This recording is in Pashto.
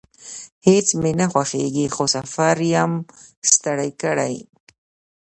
هیڅ مې نه خوښیږي، خو سفر یم ستړی کړی